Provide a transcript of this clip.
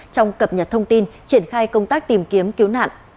trong cập nhật thông tin triển khai công tác tìm kiếm cứu nạn